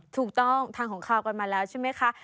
ถูกต้องทางของข้าก่อนมาแล้วใช่มั้ยคะ